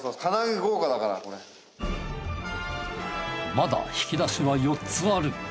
まだ引き出しは４つある。